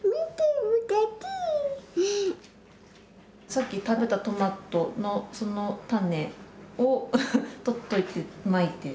さっき食べたトマトのその種を取っといてまいて